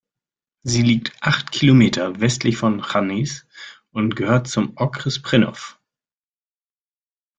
Sie liegt acht Kilometer westlich von Hranice und gehört zum Okres Přerov.